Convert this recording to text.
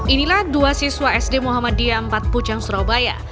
inilah dua siswa sd muhammadiyah empat pucang surabaya